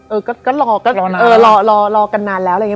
เออก็รอกันนานแล้ว